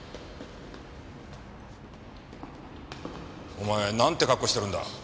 お前なんて格好してるんだ。